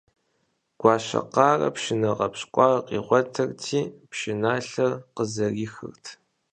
Гуащэкъарэ пшынэ гъэпщкӀуар къигъуэтырти, пшыналъэр къызэрихырт.